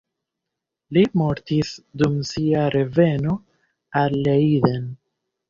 Li mortis dum sia reveno al Leiden.